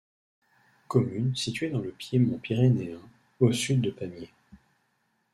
Commune située dans le piémont pyrénéen, au sud de Pamiers.